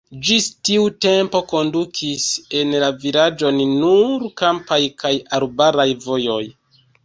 Ĝis tiu tempo kondukis en la vilaĝon nur kampaj kaj arbaraj vojoj!